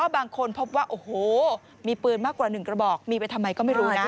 บางคนพบว่าโอ้โหมีปืนมากกว่า๑กระบอกมีไปทำไมก็ไม่รู้นะ